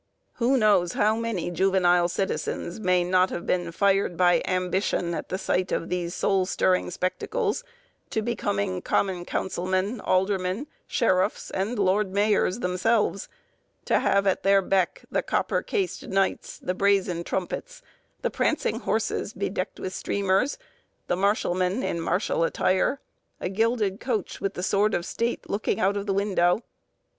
Who knows how many juvenile citizens may not have been fired by ambition at the sight of these soul stirring spectacles, to becoming common councilmen, aldermen, sheriffs, and lord mayors themselves—to have at their beck, the copper cased knights; the brazen trumpets; the prancing horses, bedecked with streamers; the marshalmen, in martial attire; gilded coach, with the sword of state looking out of window!